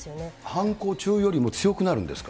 犯行中よりも強くなるんですか？